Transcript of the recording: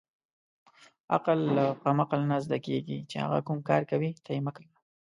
عقل له قمعل نه زدکیږی چی هغه کوم کار کوی ته یی مه کوه